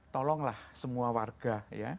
tolonglah semua warga